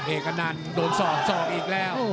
เอกกะนันโดนสอบอีกแล้ว